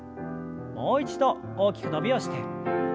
もう一度大きく伸びをして。